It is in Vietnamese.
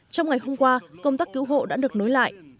trong ngày hôm qua công tác cứu hộ đã được nối lại